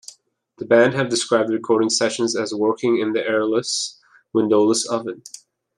The band have described the recording sessions as 'working in an airless, windowless oven'.